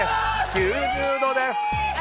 ９０度です。